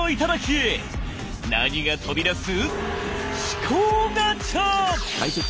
何が飛び出す？